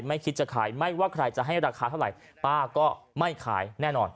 คิดจะขายไม่ว่าใครจะให้ราคาเท่าไหร่ป้าก็ไม่ขายแน่นอน